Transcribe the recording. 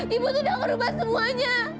ibu tuh udah ngerubah semuanya